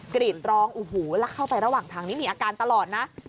กรีดร้องโอ้โหแล้วเข้าไประหว่างทางนี้มีอาการตลอดนะ